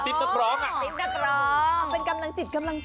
มอลำคลายเสียงมาแล้วมอลำคลายเสียงมาแล้ว